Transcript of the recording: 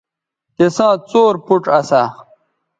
تِساں څور پوڇ اسا